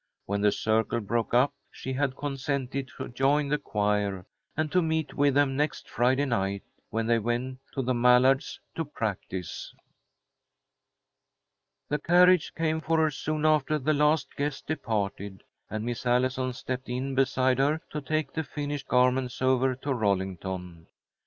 When the circle broke up she had consented to join the choir, and to meet with them the next Friday night, when they went to the Mallards' to practise. The carriage came for her soon after the last guest departed, and Miss Allison stepped in beside her to take the finished garments over to Rollington.